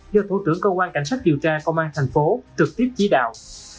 do thủ trưởng công an cảnh sát kiều tra công an thành phố trực tiếp chỉ đạo